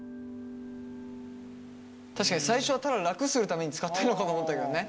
確かに最初はただ楽するために使ってんのかと思ったけどね。